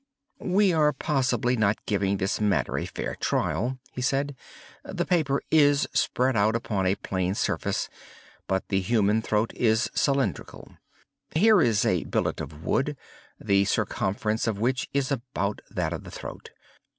"We are possibly not giving this matter a fair trial," he said. "The paper is spread out upon a plane surface; but the human throat is cylindrical. Here is a billet of wood, the circumference of which is about that of the throat.